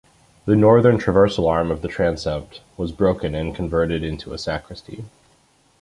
The northern transversal arm of the transept was broken and converted into a sacristy.